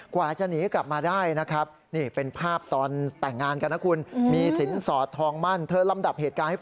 กว่าจะหนีกลับมาได้นะครับ